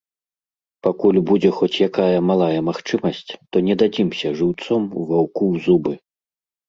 Пакуль будзе хоць якая малая магчымасць, то не дадзімся жыўцом ваўку ў зубы.